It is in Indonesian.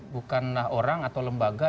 bukanlah orang atau lembaga